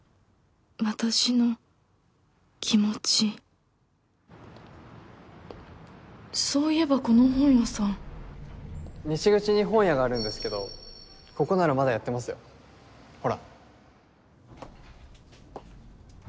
私の気持ちそういえばこの本屋さん西口に本屋があるんですけどここならまだやってますよほら